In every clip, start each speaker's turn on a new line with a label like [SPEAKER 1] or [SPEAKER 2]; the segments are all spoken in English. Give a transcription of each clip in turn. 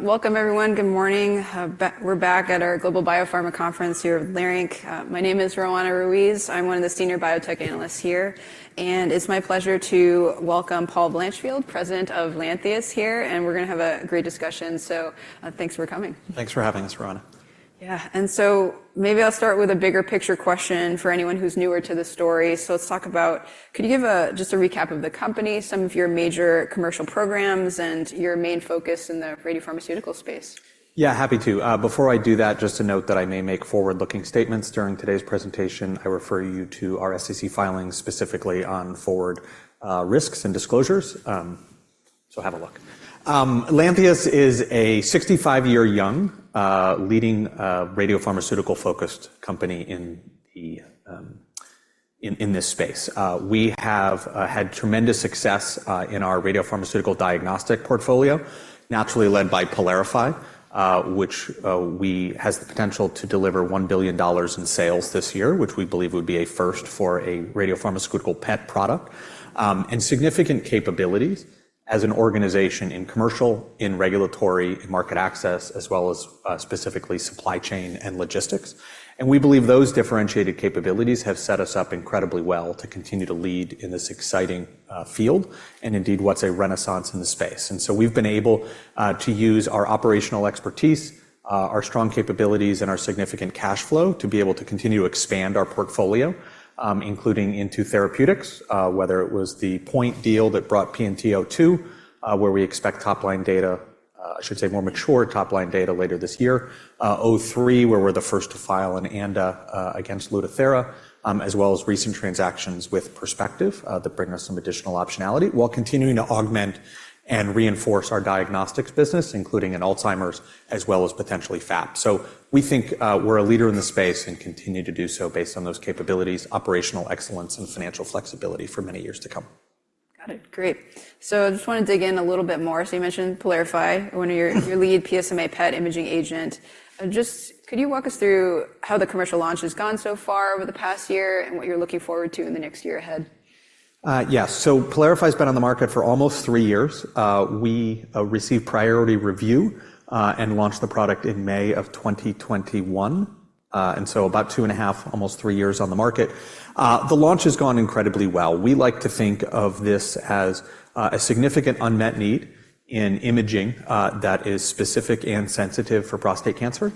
[SPEAKER 1] Welcome, everyone. Good morning. We're back at our Global BioPharma Conference here at Leerink. My name is Roanna Ruiz. I'm one of the senior biotech analysts here. It's my pleasure to welcome Paul Blanchfield, President of Lantheus here. We're going to have a great discussion. Thanks for coming.
[SPEAKER 2] Thanks for having us, Roanna.
[SPEAKER 1] Yeah. And so maybe I'll start with a bigger picture question for anyone who's newer to the story. So let's talk about could you give just a recap of the company, some of your major commercial programs, and your main focus in the radiopharmaceutical space?
[SPEAKER 2] Yeah, happy to. Before I do that, just a note that I may make forward-looking statements. During today's presentation, I refer you to our SEC filings specifically on forward risks and disclosures. So have a look. Lantheus is a 65-year-young, leading radiopharmaceutical-focused company in this space. We have had tremendous success in our radiopharmaceutical diagnostic portfolio, naturally led by PYLARIFY, which has the potential to deliver $1 billion in sales this year, which we believe would be a first for a radiopharmaceutical PET product, and significant capabilities as an organization in commercial, in regulatory, in market access, as well as specifically supply chain and logistics. And we believe those differentiated capabilities have set us up incredibly well to continue to lead in this exciting field and, indeed, what's a renaissance in the space. So we've been able to use our operational expertise, our strong capabilities, and our significant cash flow to be able to continue to expand our portfolio, including into therapeutics, whether it was the POINT deal that brought PNT2002, where we expect top-line data I should say more mature top-line data later this year, PNT2003, where we're the first to file an ANDA against Lutathera, as well as recent transactions with Perspective that bring us some additional optionality, while continuing to augment and reinforce our diagnostics business, including in Alzheimer's as well as potentially FAP. So we think we're a leader in the space and continue to do so based on those capabilities, operational excellence, and financial flexibility for many years to come.
[SPEAKER 1] Got it. Great. So I just want to dig in a little bit more. So you mentioned PYLARIFY, one of your leading PSMA PET imaging agents. Just could you walk us through how the commercial launch has gone so far over the past year and what you're looking forward to in the next year ahead?
[SPEAKER 2] Yes. So PYLARIFY has been on the market for almost three years. We received priority review and launched the product in May of 2021. And so about two and a half, almost three years on the market. The launch has gone incredibly well. We like to think of this as a significant unmet need in imaging that is specific and sensitive for prostate cancer.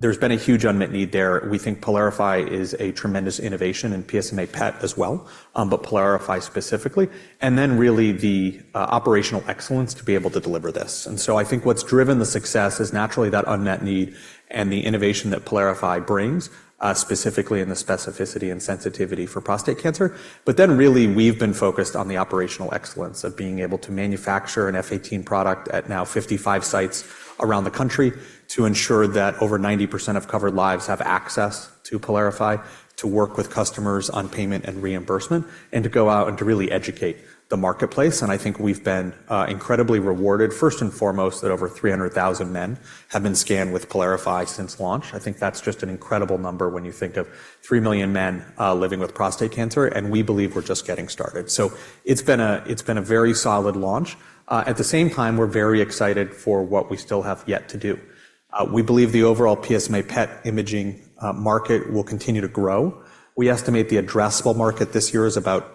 [SPEAKER 2] There's been a huge unmet need there. We think PYLARIFY is a tremendous innovation in PSMA PET as well, but PYLARIFY specifically, and then really the operational excellence to be able to deliver this. And so I think what's driven the success is naturally that unmet need and the innovation that PYLARIFY brings, specifically in the specificity and sensitivity for prostate cancer. But then really, we've been focused on the operational excellence of being able to manufacture an F-18 product at now 55 sites around the country to ensure that over 90% of covered lives have access to PYLARIFY, to work with customers on payment and reimbursement, and to go out and to really educate the marketplace. And I think we've been incredibly rewarded, first and foremost, that over 300,000 men have been scanned with PYLARIFY since launch. I think that's just an incredible number when you think of three million men living with prostate cancer. And we believe we're just getting started. So it's been a very solid launch. At the same time, we're very excited for what we still have yet to do. We believe the overall PSMA PET imaging market will continue to grow. We estimate the addressable market this year is about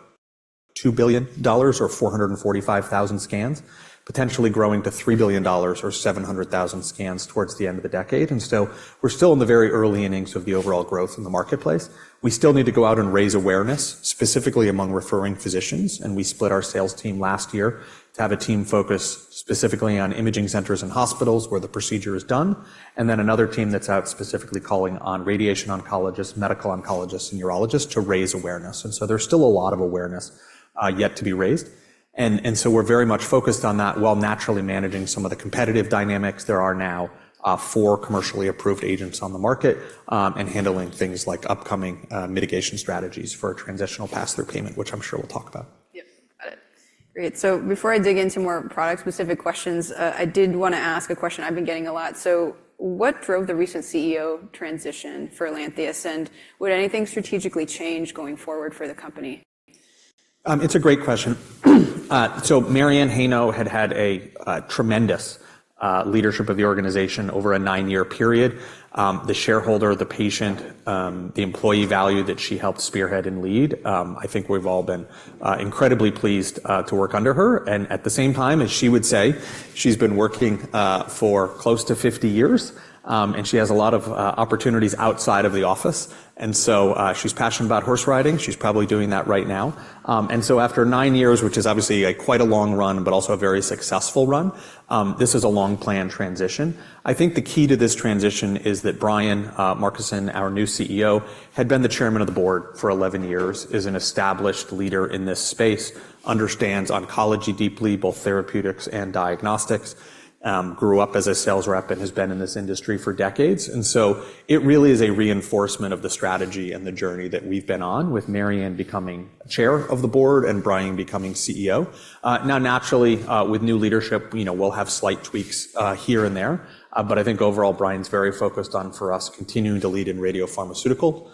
[SPEAKER 2] $2 billion or 445,000 scans, potentially growing to $3 billion or 700,000 scans towards the end of the decade. And so we're still in the very early innings of the overall growth in the marketplace. We still need to go out and raise awareness, specifically among referring physicians. And we split our sales team last year to have a team focus specifically on imaging centers and hospitals where the procedure is done, and then another team that's out specifically calling on radiation oncologists, medical oncologists, and urologists to raise awareness. And so there's still a lot of awareness yet to be raised. And so we're very much focused on that while naturally managing some of the competitive dynamics there are now for commercially approved agents on the market and handling things like upcoming mitigation strategies for Transitional Pass-Through Payment, which I'm sure we'll talk about.
[SPEAKER 1] Yep. Got it. Great. So before I dig into more product-specific questions, I did want to ask a question I've been getting a lot. So what drove the recent CEO transition for Lantheus? And would anything strategically change going forward for the company?
[SPEAKER 2] It's a great question. So Mary Anne Heino had had a tremendous leadership of the organization over a nine-year period. The shareholder, the patient, the employee value that she helped spearhead and lead, I think we've all been incredibly pleased to work under her. And at the same time, as she would say, she's been working for close to 50 years, and she has a lot of opportunities outside of the office. And so she's passionate about horse riding. She's probably doing that right now. And so after nine years, which is obviously quite a long run but also a very successful run, this is a long-planned transition. I think the key to this transition is that Brian Markison, our new CEO, had been the chairman of the board for 11 years, is an established leader in this space, understands oncology deeply, both therapeutics and diagnostics, grew up as a sales rep, and has been in this industry for decades. And so it really is a reinforcement of the strategy and the journey that we've been on with Mary Anne becoming chair of the board and Brian becoming CEO. Now, naturally, with new leadership, we'll have slight tweaks here and there. But I think overall, Brian's very focused on, for us, continuing to lead in radiopharmaceutical,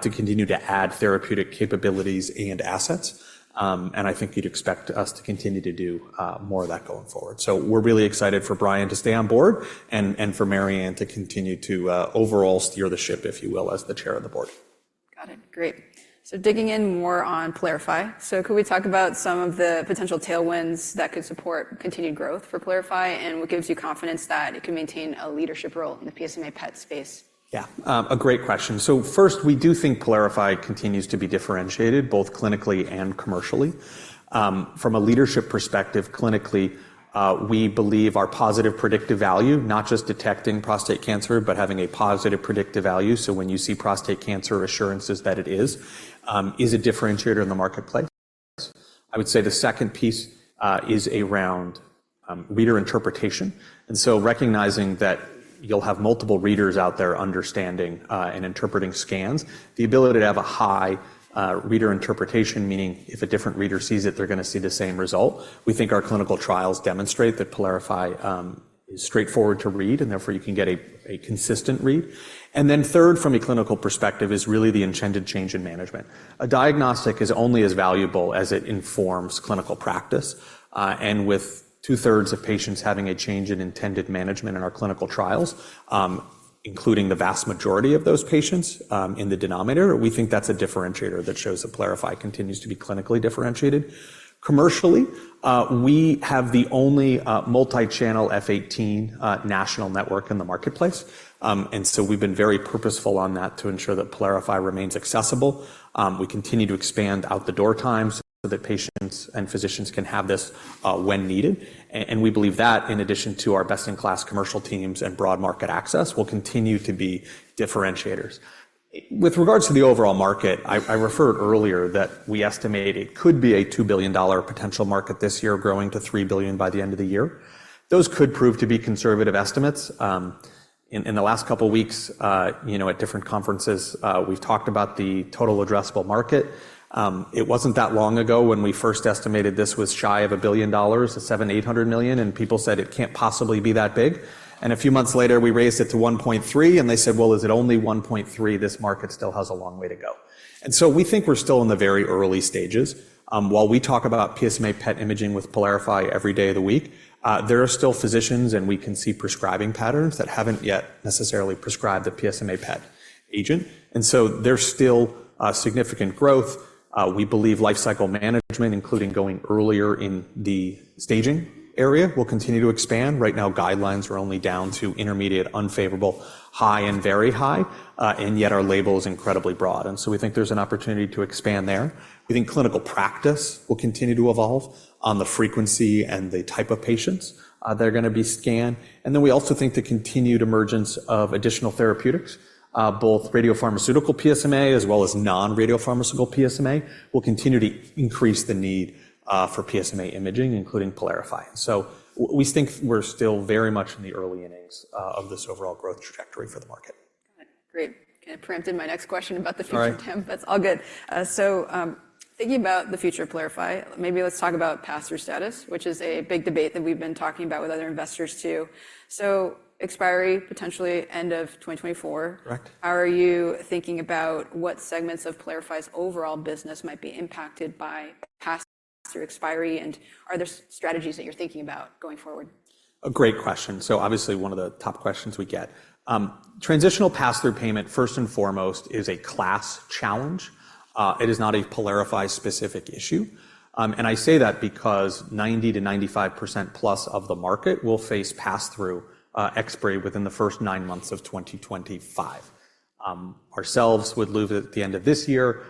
[SPEAKER 2] to continue to add therapeutic capabilities and assets. And I think you'd expect us to continue to do more of that going forward. We're really excited for Brian to stay on board and for Mary Anne to continue to overall steer the ship, if you will, as the Chair of the Board.
[SPEAKER 1] Got it. Great. So digging in more on PYLARIFY. So could we talk about some of the potential tailwinds that could support continued growth for PYLARIFY and what gives you confidence that it can maintain a leadership role in the PSMA PET space?
[SPEAKER 2] Yeah. A great question. So first, we do think PYLARIFY continues to be differentiated, both clinically and commercially. From a leadership perspective, clinically, we believe our positive predictive value, not just detecting prostate cancer but having a positive predictive value, so when you see prostate cancer, assurances that it is, is a differentiator in the marketplace. I would say the second piece is inter-reader interpretation. And so recognizing that you'll have multiple readers out there understanding and interpreting scans, the ability to have a high reader interpretation, meaning if a different reader sees it, they're going to see the same result. We think our clinical trials demonstrate that PYLARIFY is straightforward to read, and therefore, you can get a consistent read. And then third, from a clinical perspective, is really the intended change in management. A diagnostic is only as valuable as it informs clinical practice. With two-thirds of patients having a change in intended management in our clinical trials, including the vast majority of those patients in the denominator, we think that's a differentiator that shows that PYLARIFY continues to be clinically differentiated. Commercially, we have the only multi-channel F-18 national network in the marketplace. And so we've been very purposeful on that to ensure that PYLARIFY remains accessible. We continue to expand out-the-door time so that patients and physicians can have this when needed. We believe that, in addition to our best-in-class commercial teams and broad market access, will continue to be differentiators. With regards to the overall market, I referred earlier that we estimate it could be a $2 billion potential market this year growing to $3 billion by the end of the year. Those could prove to be conservative estimates. In the last couple of weeks at different conferences, we've talked about the total addressable market. It wasn't that long ago when we first estimated this was shy of $1 billion, $700-$800 million, and people said it can't possibly be that big. A few months later, we raised it to $1.3 billion, and they said, "Well, is it only 1.3? This market still has a long way to go." So we think we're still in the very early stages. While we talk about PSMA PET imaging with PYLARIFY every day of the week, there are still physicians, and we can see prescribing patterns that haven't yet necessarily prescribed a PSMA PET agent. So there's still significant growth. We believe lifecycle management, including going earlier in the staging area, will continue to expand. Right now, guidelines are only down to intermediate, unfavorable, high, and very high. Yet, our label is incredibly broad. So we think there's an opportunity to expand there. We think clinical practice will continue to evolve on the frequency and the type of patients that are going to be scanned. Then we also think the continued emergence of additional therapeutics, both radiopharmaceutical PSMA as well as non-radiopharmaceutical PSMA, will continue to increase the need for PSMA imaging, including PYLARIFY. So we think we're still very much in the early innings of this overall growth trajectory for the market.
[SPEAKER 1] Got it. Great. Kind of preempted my next question about the future term. That's all good. So thinking about the future of PYLARIFY, maybe let's talk about pass-through status, which is a big debate that we've been talking about with other investors too. So expiry, potentially end of 2024. How are you thinking about what segments of PYLARIFY's overall business might be impacted by pass-through expiry? And are there strategies that you're thinking about going forward?
[SPEAKER 2] A great question. So obviously, one of the top questions we get. Transitional Pass-Through Payment, first and foremost, is a class challenge. It is not a PYLARIFY-specific issue. And I say that because 90%-95% plus of the market will face pass-through expiry within the first nine months of 2025. Ourselves would lose it at the end of this year.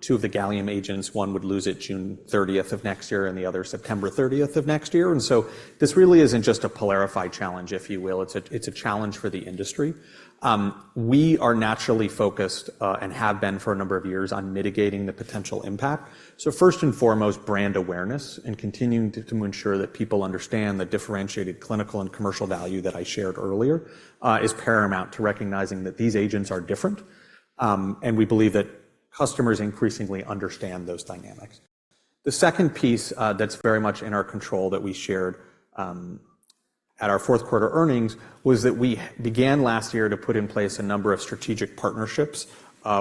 [SPEAKER 2] Two of the gallium agents, one would lose it June 30th of next year and the other September 30th of next year. And so this really isn't just a PYLARIFY challenge, if you will. It's a challenge for the industry. We are naturally focused and have been for a number of years on mitigating the potential impact. So first and foremost, brand awareness and continuing to ensure that people understand the differentiated clinical and commercial value that I shared earlier is paramount to recognizing that these agents are different. And we believe that customers increasingly understand those dynamics. The second piece that's very much in our control that we shared at our fourth-quarter earnings was that we began last year to put in place a number of strategic partnerships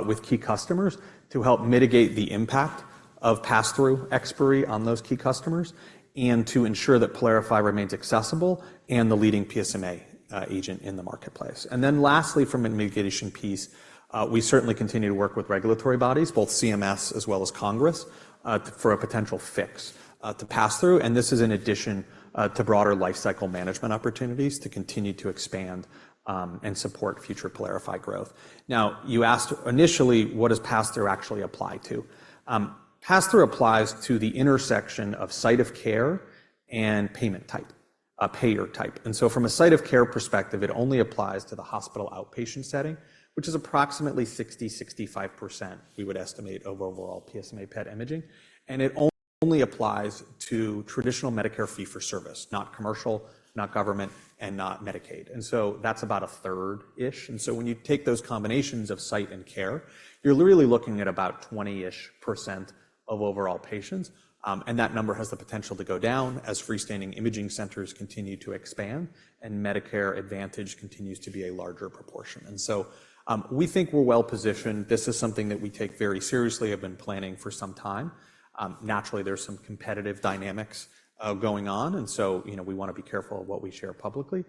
[SPEAKER 2] with key customers to help mitigate the impact of pass-through expiry on those key customers and to ensure that PYLARIFY remains accessible and the leading PSMA agent in the marketplace. And then lastly, from a mitigation piece, we certainly continue to work with regulatory bodies, both CMS as well as Congress, for a potential fix to pass-through. And this is in addition to broader lifecycle management opportunities to continue to expand and support future PYLARIFY growth. Now, you asked initially, what does pass-through actually apply to? Pass-through applies to the intersection of site of care and payment type, payer type. And so from a site of care perspective, it only applies to the hospital outpatient setting, which is approximately 60%-65%, we would estimate, of overall PSMA PET imaging. And it only applies to traditional Medicare fee-for-service, not commercial, not government, and not Medicaid. And so that's about a third-ish. And so when you take those combinations of site and care, you're literally looking at about 20-ish% of overall patients. And that number has the potential to go down as freestanding imaging centers continue to expand and Medicare Advantage continues to be a larger proportion. And so we think we're well positioned. This is something that we take very seriously, have been planning for some time. Naturally, there's some competitive dynamics going on. We want to be careful of what we share publicly.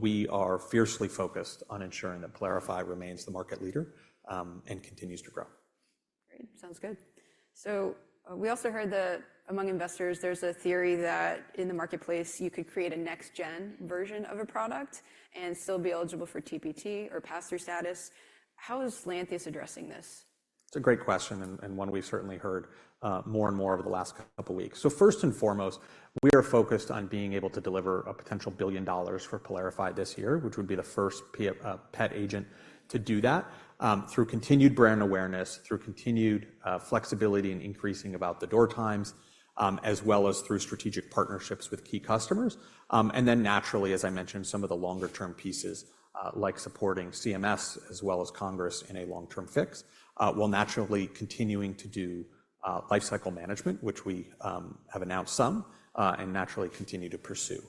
[SPEAKER 2] We are fiercely focused on ensuring that PYLARIFY remains the market leader and continues to grow.
[SPEAKER 1] Great. Sounds good. So we also heard that among investors, there's a theory that in the marketplace, you could create a next-gen version of a product and still be eligible for TPT or pass-through status. How is Lantheus addressing this?
[SPEAKER 2] It's a great question and one we've certainly heard more and more over the last couple of weeks. So first and foremost, we are focused on being able to deliver a potential $1 billion for PYLARIFY this year, which would be the first PET agent to do that through continued brand awareness, through continued flexibility and increasing door-to-door times, as well as through strategic partnerships with key customers. And then naturally, as I mentioned, some of the longer-term pieces like supporting CMS as well as Congress in a long-term fix while naturally continuing to do lifecycle management, which we have announced some and naturally continue to pursue.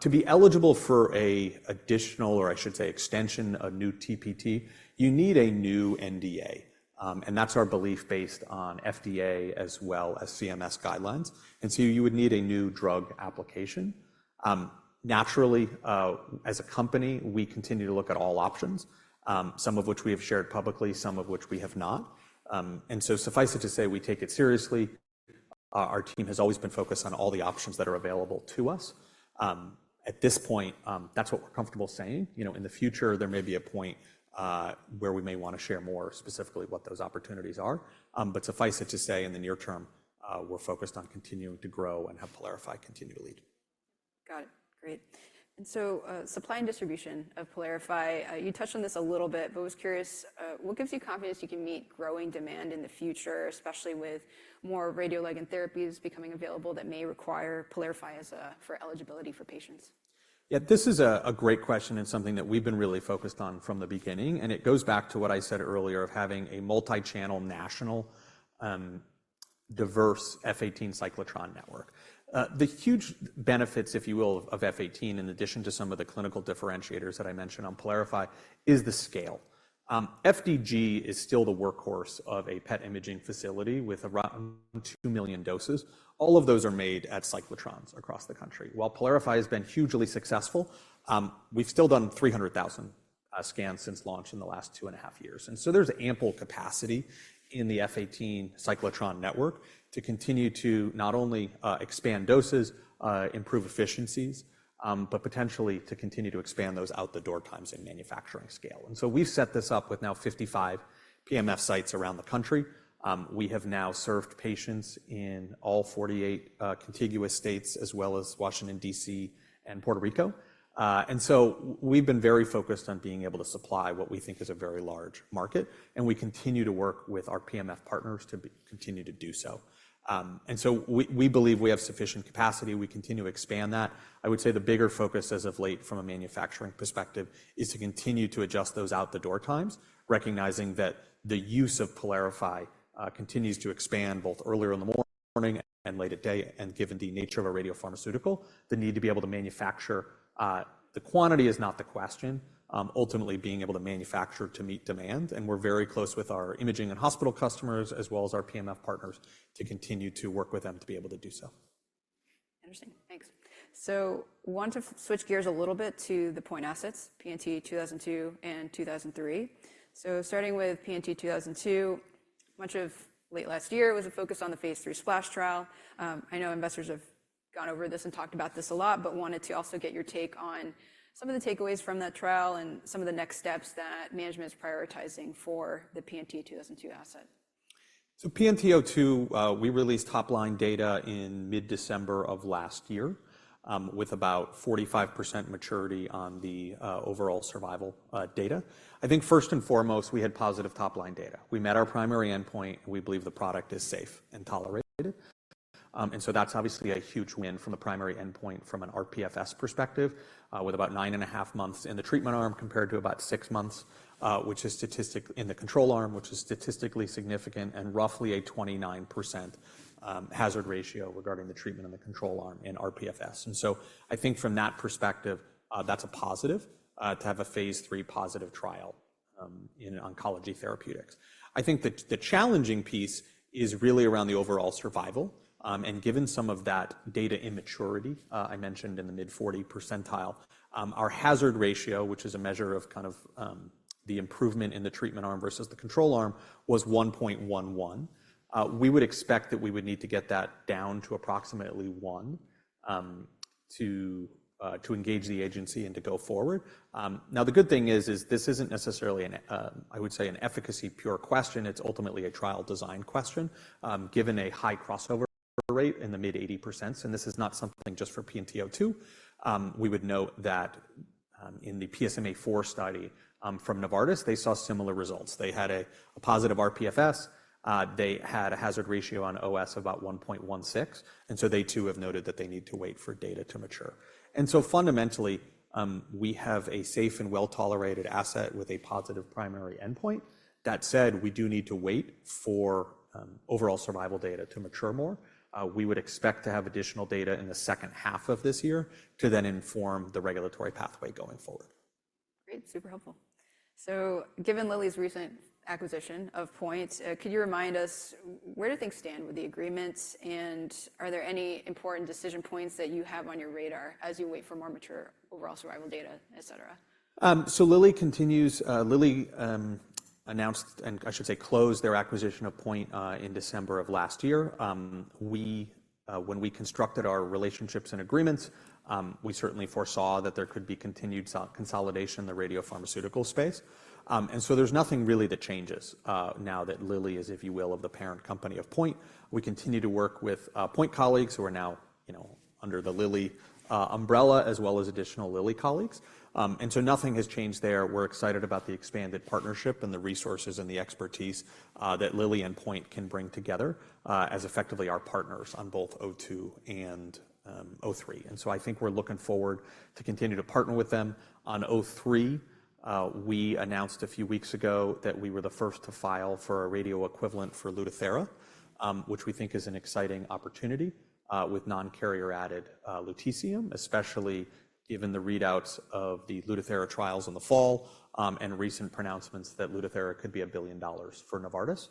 [SPEAKER 2] To be eligible for an additional or, I should say, extension of new TPT, you need a new NDA. And that's our belief based on FDA as well as CMS guidelines. And so you would need a new drug application. Naturally, as a company, we continue to look at all options, some of which we have shared publicly, some of which we have not. Suffice it to say, we take it seriously. Our team has always been focused on all the options that are available to us. At this point, that's what we're comfortable saying. In the future, there may be a point where we may want to share more specifically what those opportunities are. Suffice it to say, in the near term, we're focused on continuing to grow and have PYLARIFY continue to lead.
[SPEAKER 1] Got it. Great. And so supply and distribution of PYLARIFY, you touched on this a little bit, but I was curious, what gives you confidence you can meet growing demand in the future, especially with more radioligand therapies becoming available that may require PYLARIFY for eligibility for patients?
[SPEAKER 2] Yeah, this is a great question and something that we've been really focused on from the beginning. And it goes back to what I said earlier of having a multi-channel, national, diverse F-18 cyclotron network. The huge benefits, if you will, of F-18, in addition to some of the clinical differentiators that I mentioned on PYLARIFY, is the scale. FDG is still the workhorse of a PET imaging facility with around 2 million doses. All of those are made at cyclotrons across the country. While PYLARIFY has been hugely successful, we've still done 300,000 scans since launch in the last two and a half years. And so there's ample capacity in the F-18 cyclotron network to continue to not only expand doses, improve efficiencies, but potentially to continue to expand those out-the-door times in manufacturing scale. And so we've set this up with now 55 PMF sites around the country. We have now served patients in all 48 contiguous states as well as Washington, D.C., and Puerto Rico. And so we've been very focused on being able to supply what we think is a very large market. And we continue to work with our PMF partners to continue to do so. And so we believe we have sufficient capacity. We continue to expand that. I would say the bigger focus as of late from a manufacturing perspective is to continue to adjust those out-the-door times, recognizing that the use of PYLARIFY continues to expand both earlier in the morning and late in the day. And given the nature of a radiopharmaceutical, the need to be able to manufacture the quantity is not the question. Ultimately, being able to manufacture to meet demand. We're very close with our imaging and hospital customers as well as our PMF partners to continue to work with them to be able to do so.
[SPEAKER 1] Interesting. Thanks. So I want to switch gears a little bit to the POINT assets, PNT2002 and PNT2003. So starting with PNT2002, much of late last year was a focus on the phase III SPLASH trial. I know investors have gone over this and talked about this a lot but wanted to also get your take on some of the takeaways from that trial and some of the next steps that management is prioritizing for the PNT2002 asset.
[SPEAKER 2] So PNT2002, we released top-line data in mid-December of last year with about 45% maturity on the overall survival data. I think first and foremost, we had positive top-line data. We met our primary endpoint. We believe the product is safe and tolerated. And so that's obviously a huge win from the primary endpoint from an rPFS perspective with about 9.5 months in the treatment arm compared to about six months, which is statistically in the control arm, which is statistically significant and roughly a 29% hazard ratio regarding the treatment in the control arm in rPFS. And so I think from that perspective, that's a positive to have a phase III positive trial in oncology therapeutics. I think the challenging piece is really around the overall survival. Given some of that data immaturity I mentioned in the mid-40 percentile, our hazard ratio, which is a measure of kind of the improvement in the treatment arm versus the control arm, was 1.11. We would expect that we would need to get that down to approximately 1 to engage the agency and to go forward. Now, the good thing is, this isn't necessarily, I would say, an efficacy pure question. It's ultimately a trial design question. Given a high crossover rate in the mid-80%, and this is not something just for PNT2002, we would note that in the PSMAfore study from Novartis, they saw similar results. They had a positive rPFS. They had a hazard ratio on OS of about 1.16. And so they too have noted that they need to wait for data to mature. Fundamentally, we have a safe and well-tolerated asset with a positive primary endpoint. That said, we do need to wait for overall survival data to mature more. We would expect to have additional data in the second half of this year to then inform the regulatory pathway going forward.
[SPEAKER 1] Great. Super helpful. So given Lilly's recent acquisition of POINT, could you remind us where do things stand with the agreements? And are there any important decision points that you have on your radar as you wait for more mature overall survival data, et cetera?
[SPEAKER 2] So Lilly continues. Lilly announced and I should say closed their acquisition of POINT in December of last year. When we constructed our relationships and agreements, we certainly foresaw that there could be continued consolidation in the radiopharmaceutical space. And so there's nothing really that changes now that Lilly is, if you will, of the parent company of POINT. We continue to work with POINT colleagues who are now under the Lilly umbrella as well as additional Lilly colleagues. And so nothing has changed there. We're excited about the expanded partnership and the resources and the expertise that Lilly and POINT can bring together as effectively our partners on both 02 and 03. And so I think we're looking forward to continue to partner with them. On 03, we announced a few weeks ago that we were the first to file for a radio equivalent for Lutathera, which we think is an exciting opportunity with non-carrier added lutetium, especially given the readouts of the Lutathera trials in the fall and recent pronouncements that Lutathera could be $1 billion for Novartis.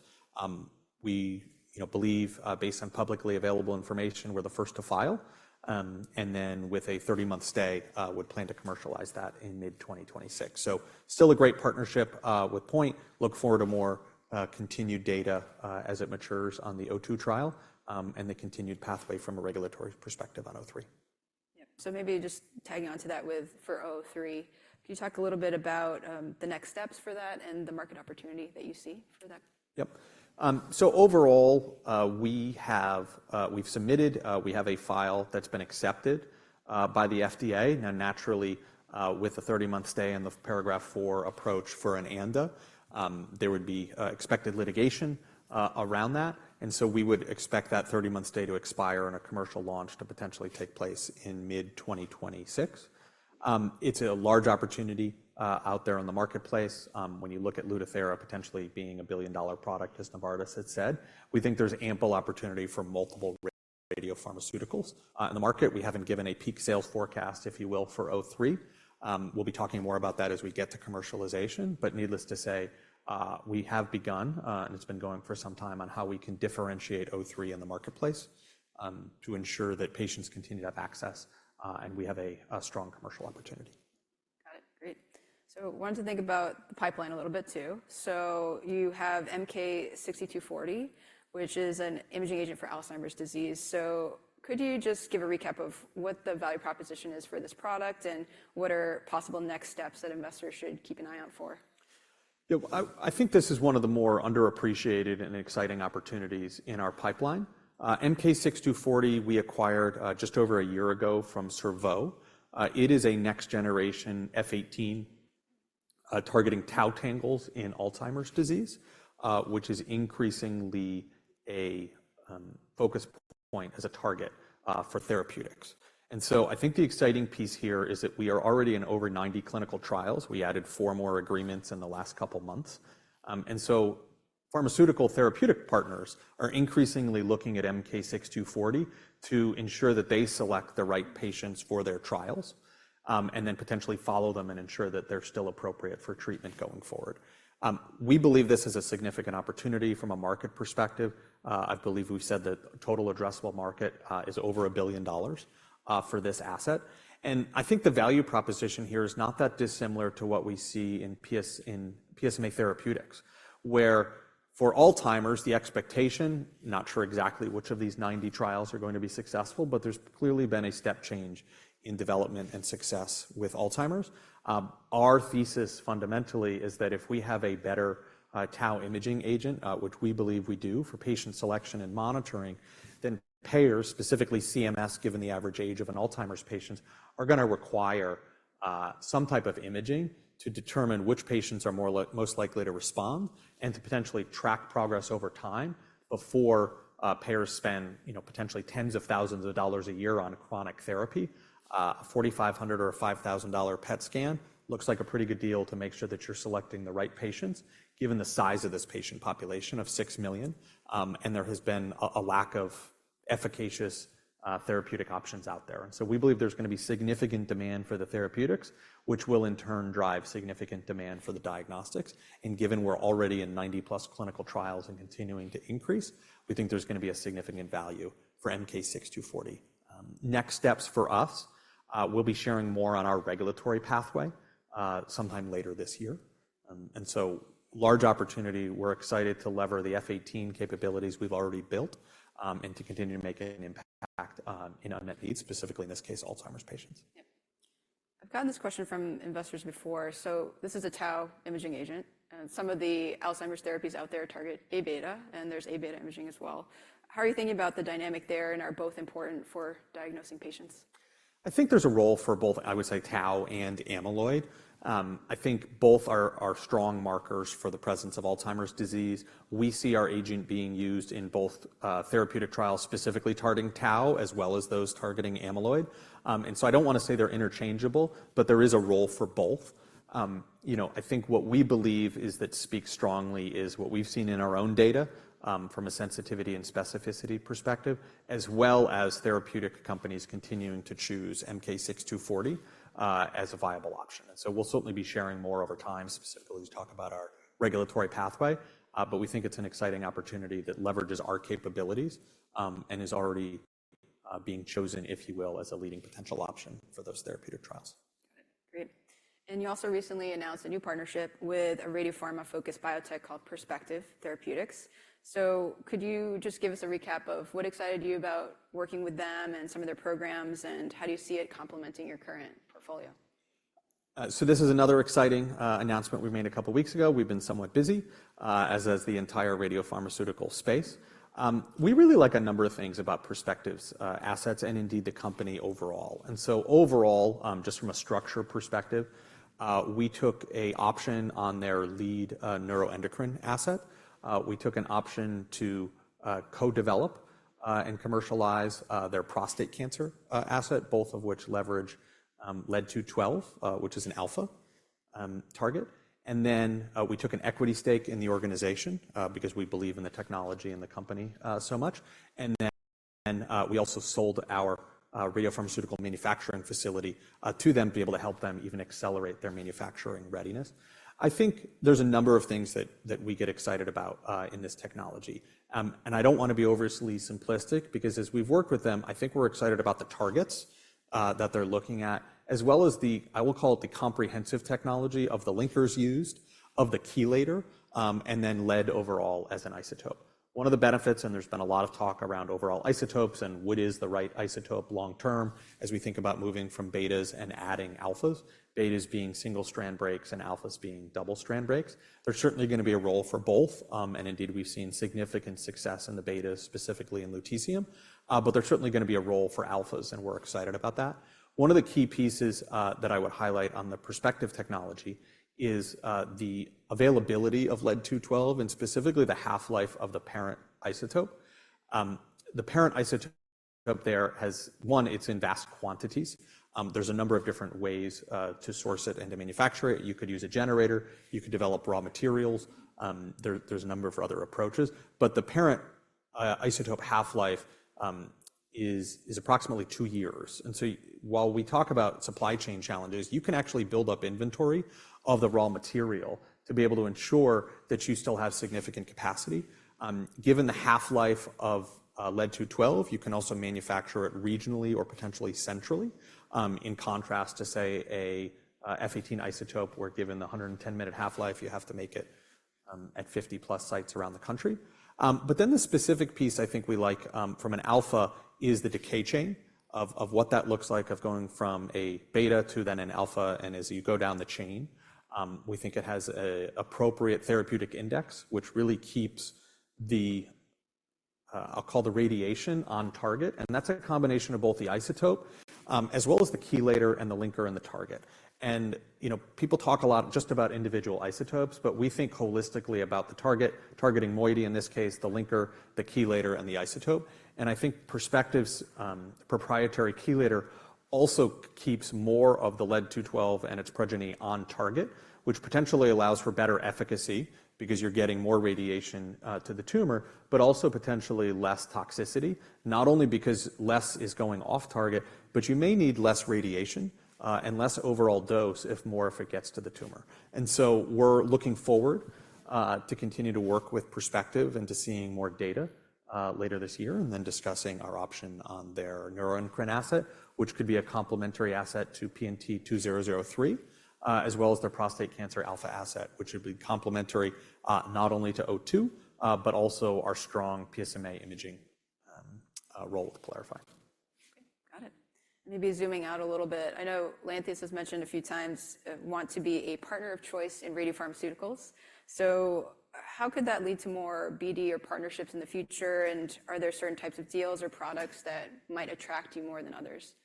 [SPEAKER 2] We believe, based on publicly available information, we're the first to file. And then with a 30-month stay, we'd plan to commercialize that in mid-2026. So still a great partnership with POINT. Look forward to more continued data as it matures on the 02 trial and the continued pathway from a regulatory perspective on 03.
[SPEAKER 1] Yep. So maybe just tagging onto that with for 03, could you talk a little bit about the next steps for that and the market opportunity that you see for that?
[SPEAKER 2] Yep. So overall, we have submitted, we have a file that's been accepted by the FDA. Now, naturally, with a 30-month stay and the Paragraph IV approach for an ANDA, there would be expected litigation around that. And so we would expect that 30-month stay to expire and a commercial launch to potentially take place in mid-2026. It's a large opportunity out there in the marketplace. When you look at Lutathera potentially being a billion-dollar product, as Novartis had said, we think there's ample opportunity for multiple radiopharmaceuticals in the market. We haven't given a peak sales forecast, if you will, for 03. We'll be talking more about that as we get to commercialization. But needless to say, we have begun and it's been going for some time on how we can differentiate 03 in the marketplace to ensure that patients continue to have access and we have a strong commercial opportunity.
[SPEAKER 1] Got it. Great. So I wanted to think about the pipeline a little bit too. So you have MK-6240, which is an imaging agent for Alzheimer's disease. So could you just give a recap of what the value proposition is for this product and what are possible next steps that investors should keep an eye out for?
[SPEAKER 2] Yeah, I think this is one of the more underappreciated and exciting opportunities in our pipeline. MK-6240, we acquired just over a year ago from Cerveau. It is a next-generation F-18 targeting tau tangles in Alzheimer's disease, which is increasingly a focus point as a target for therapeutics. So I think the exciting piece here is that we are already in over 90 clinical trials. We added four more agreements in the last couple of months. So pharmaceutical therapeutic partners are increasingly looking at MK-6240 to ensure that they select the right patients for their trials and then potentially follow them and ensure that they're still appropriate for treatment going forward. We believe this is a significant opportunity from a market perspective. I believe we've said that total addressable market is over $1 billion for this asset. I think the value proposition here is not that dissimilar to what we see in PSMA therapeutics, where for Alzheimer's, the expectation, not sure exactly which of these 90 trials are going to be successful, but there's clearly been a step change in development and success with Alzheimer's. Our thesis fundamentally is that if we have a better tau imaging agent, which we believe we do for patient selection and monitoring, then payers, specifically CMS, given the average age of an Alzheimer's patient, are going to require some type of imaging to determine which patients are most likely to respond and to potentially track progress over time before payers spend potentially tens of thousands of dollars a year on chronic therapy. A $4,500 or a $5,000 PET scan looks like a pretty good deal to make sure that you're selecting the right patients, given the size of this patient population of 6 million. There has been a lack of efficacious therapeutic options out there. So we believe there's going to be significant demand for the therapeutics, which will in turn drive significant demand for the diagnostics. Given we're already in 90+ clinical trials and continuing to increase, we think there's going to be a significant value for MK-6240. Next steps for us, we'll be sharing more on our regulatory pathway sometime later this year. So large opportunity, we're excited to leverage the F-18 capabilities we've already built and to continue to make an impact in unmet needs, specifically in this case, Alzheimer's patients. Yep. I've gotten this question from investors before. So this is a tau imaging agent. And some of the Alzheimer's therapies out there target A-beta, and there's A-beta imaging as well. How are you thinking about the dynamic there and are both important for diagnosing patients? I think there's a role for both, I would say, tau and amyloid. I think both are strong markers for the presence of Alzheimer's disease. We see our agent being used in both therapeutic trials specifically targeting tau as well as those targeting amyloid. And so I don't want to say they're interchangeable, but there is a role for both. I think what we believe is that speaks strongly is what we've seen in our own data from a sensitivity and specificity perspective, as well as therapeutic companies continuing to choose MK-6240 as a viable option. And so we'll certainly be sharing more over time, specifically as we talk about our regulatory pathway. But we think it's an exciting opportunity that leverages our capabilities and is already being chosen, if you will, as a leading potential option for those therapeutic trials.
[SPEAKER 1] Got it. Great. And you also recently announced a new partnership with a radiopharma-focused biotech called Perspective Therapeutics. So could you just give us a recap of what excited you about working with them and some of their programs and how do you see it complementing your current portfolio?
[SPEAKER 2] So this is another exciting announcement we made a couple of weeks ago. We've been somewhat busy, as is the entire radiopharmaceutical space. We really like a number of things about Perspective's assets and indeed the company overall. And so overall, just from a structure perspective, we took an option on their lead neuroendocrine asset. We took an option to co-develop and commercialize their prostate cancer asset, both of which leverage Pb-212, which is an alpha target. And then we took an equity stake in the organization because we believe in the technology and the company so much. And then we also sold our radiopharmaceutical manufacturing facility to them to be able to help them even accelerate their manufacturing readiness. I think there's a number of things that we get excited about in this technology. And I don't want to be overly simplistic because as we've worked with them, I think we're excited about the targets that they're looking at, as well as the, I will call it the comprehensive technology of the linkers used, of the chelator, and then lead overall as an isotope. One of the benefits, and there's been a lot of talk around overall isotopes and what is the right isotope long-term as we think about moving from betas and adding alphas, betas being single-strand breaks and alphas being double-strand breaks. There's certainly going to be a role for both. And indeed, we've seen significant success in the betas, specifically in lutetium. But there's certainly going to be a role for alphas, and we're excited about that. One of the key pieces that I would highlight on the Perspective technology is the availability of lead-212 and specifically the half-life of the parent isotope. The parent isotope there has, one, it's in vast quantities. There's a number of different ways to source it and to manufacture it. You could use a generator. You could develop raw materials. There's a number of other approaches. But the parent isotope half-life is approximately two years. And so while we talk about supply chain challenges, you can actually build up inventory of the raw material to be able to ensure that you still have significant capacity. Given the half-life of lead-212, you can also manufacture it regionally or potentially centrally, in contrast to, say, an F-18 isotope where given the 110-minute half-life, you have to make it at 50+ sites around the country. But then the specific piece I think we like from an alpha is the decay chain of what that looks like, of going from a beta to then an alpha. And as you go down the chain, we think it has an appropriate therapeutic index, which really keeps the radiation on target. I'll call the radiation on target. And that's a combination of both the isotope as well as the chelator and the linker and the target. And people talk a lot just about individual isotopes, but we think holistically about the target, targeting moiety in this case, the linker, the chelator, and the isotope. I think Perspective's proprietary chelator also keeps more of the Pb-212 and its progeny on target, which potentially allows for better efficacy because you're getting more radiation to the tumor, but also potentially less toxicity, not only because less is going off target, but you may need less radiation and less overall dose if more of it gets to the tumor. So we're looking forward to continuing to work with Perspective and to seeing more data later this year and then discussing our option on their neuroendocrine asset, which could be a complementary asset to PNT2003, as well as their prostate cancer alpha asset, which would be complementary not only to 02, but also our strong PSMA imaging role with PYLARIFY.
[SPEAKER 1] Okay. Got it. And maybe zooming out a little bit, I know Lantheus has mentioned a few times want to be a partner of choice in radiopharmaceuticals. So how could that lead to more BD or partnerships in the future? And are there certain types of deals or products that might attract you more than others?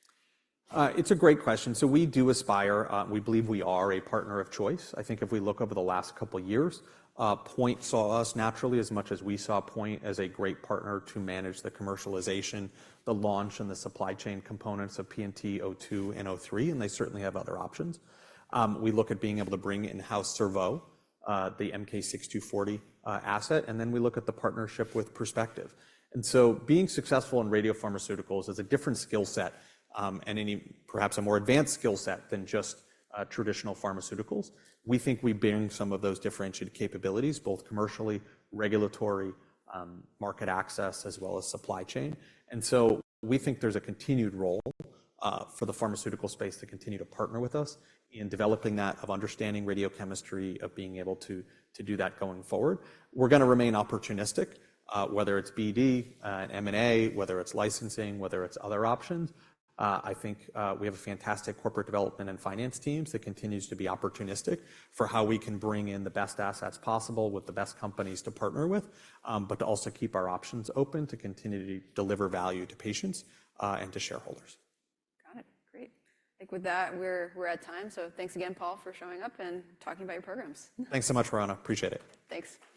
[SPEAKER 2] It's a great question. So we do aspire, we believe we are a partner of choice. I think if we look over the last couple of years, POINT saw us naturally as much as we saw POINT as a great partner to manage the commercialization, the launch, and the supply chain components of PNT2002 and PNT2003. And they certainly have other options. We look at being able to bring in-house Cerveau, the MK-6240 asset. And then we look at the partnership with Perspective. And so being successful in radiopharmaceuticals is a different skill set and any, perhaps a more advanced skill set than just traditional pharmaceuticals. We think we bring some of those differentiated capabilities, both commercially, regulatory, market access, as well as supply chain. We think there's a continued role for the pharmaceutical space to continue to partner with us in developing that of understanding radiochemistry, of being able to do that going forward. We're going to remain opportunistic, whether it's BD and M&A, whether it's licensing, whether it's other options. I think we have a fantastic corporate development and finance teams. It continues to be opportunistic for how we can bring in the best assets possible with the best companies to partner with, but to also keep our options open to continue to deliver value to patients and to shareholders.
[SPEAKER 1] Got it. Great. I think with that, we're at time. So thanks again, Paul, for showing up and talking about your programs.
[SPEAKER 2] Thanks so much, Roanna. Appreciate it.
[SPEAKER 1] Thanks.